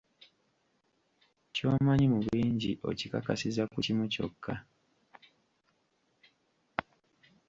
Ky'omanyi mu bingi okikakasiza ku kimu kyokka.